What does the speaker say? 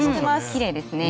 きれいですね。